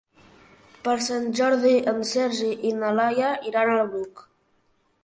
Per Sant Jordi en Sergi i na Laia iran al Bruc.